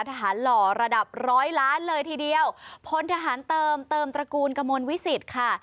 หล่อระดับร้อยล้านเลยทีเดียวพลทหารเติมเติมตระกูลกระมวลวิสิตค่ะ